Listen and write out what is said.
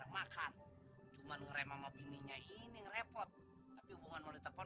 emposan sih bertunggu itu